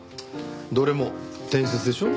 どれも伝説でしょ。